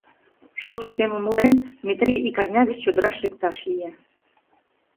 Шот укем умылен, Метрий ик арня гыч чодыраш лекташ лие.